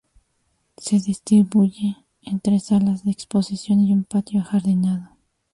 Se distribuye en tres salas de exposición y un patio ajardinado.